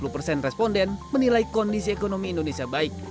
dua puluh persen responden menilai kondisi ekonomi indonesia baik